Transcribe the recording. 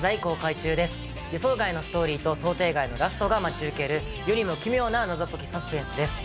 予想外のストーリーと想定外のラストが待ち受ける世にも奇妙な謎解きサスペンスです。